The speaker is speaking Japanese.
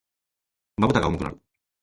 瞼が重くなる。